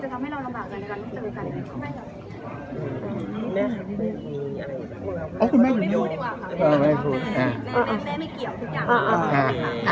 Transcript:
เราไม่คุยจะแบบที่เขาจะโดนถามไปด้วยอะไรอย่างเงี้ย